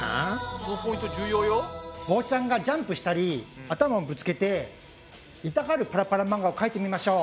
棒ちゃんがジャンプしたり頭をぶつけて痛がるパラパラ漫画をかいてみましょう！